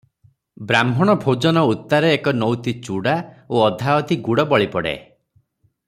ବାହ୍ମଣ ଭୋଜନ ଉତ୍ତାରେ ଏକ ନଉତି ଚୂଡ଼ା ଓ ଅଧାଅଧି ଗୁଡ଼ ବଳି ପଡ଼େ